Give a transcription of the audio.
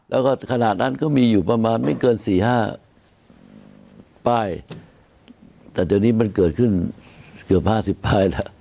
แล้วก็ขนาดนั้นก็มีอยู่ประมาณไม่เกิน๔๕ป้ายแต่ตอนนี้มันเกิดขึ้นเกือบ๕๐ป้ายแล้ว